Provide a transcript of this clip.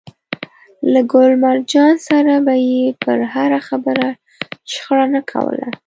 له ګل مرجان سره به يې پر هره خبره شخړه نه کوله.